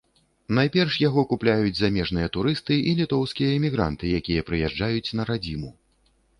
Найперш яго купляюць замежныя турысты і літоўскія эмігранты, якія прыязджаюць на радзіму.